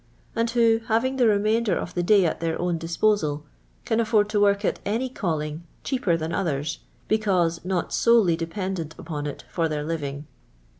and who, having the renuiinder of the day at their own disposal, can afford to work at any calling cheaper tlian others, because not solely dependent upon it for their living.